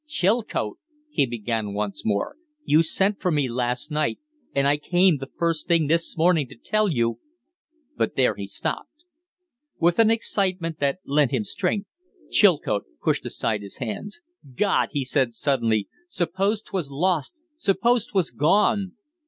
"Chilcote," he began once more, "you sent for me last night, and I came the first thing this morning to tell you " But there he stopped. With an excitement that lent him strength, Chilcote pushed aside his hands. "God!" he said, suddenly, "suppose 'twas lost suppose 'twas gone!"